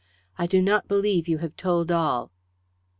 "I do not believe you have told all."